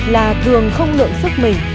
là thường không lượng sức mình